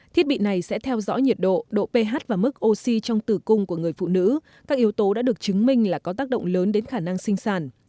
thiết bị này sẽ theo dõi nhiệt độ độ ph và mức oxy trong tử cung của người phụ nữ các yếu tố đã được chứng minh là có tác động lớn đến khả năng sinh sản